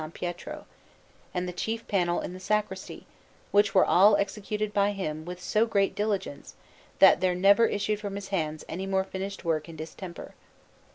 Pietro, and the chief panel in the sacristy, which were all executed by him with so great diligence that there never issued from his hands any more finished work in distemper.